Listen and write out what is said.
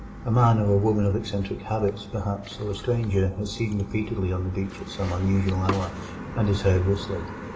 A man or woman of eccentric habits, perhaps, or a stranger, is seen repeatedly on the beach at some unusual hour, and is heard whistling.